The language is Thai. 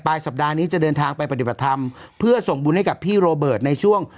สัปดาห์นี้จะเดินทางไปปฏิบัติธรรมเพื่อส่งบุญให้กับพี่โรเบิร์ตในช่วง